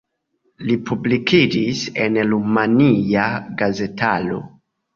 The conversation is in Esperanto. Li publikigis en rumania gazetaro.